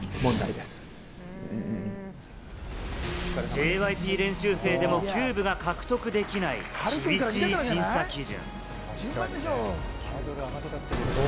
ＪＹＰ練習生でもキューブが獲得できない厳しい審査基準。